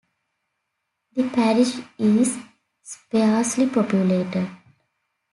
The parish is sparsely populated.